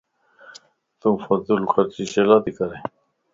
تون فضول خرچي ڇيلا تو ڪرين؟